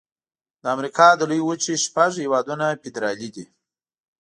د امریکا د لویې وچې شپږ هيوادونه فدرالي دي.